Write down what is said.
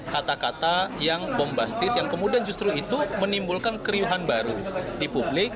kata kata yang bombastis yang kemudian justru itu menimbulkan keriuhan baru di publik